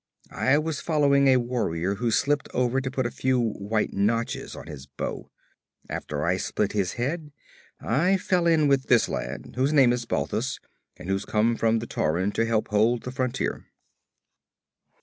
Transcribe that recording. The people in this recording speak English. I was following a warrior who slipped over to put a few white notches on his bow. After I split his head I fell in with this lad whose name is Balthus and who's come from the Tauran to help hold the frontier.'